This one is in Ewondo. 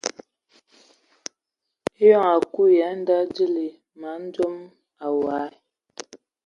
Eyɔŋ a kui ya a nda a dii man dzom awɔi.